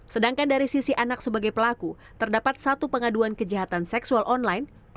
sedangkan dari sisi anak sebagai pelaku terdapat satu pengaduan kejahatan seksual online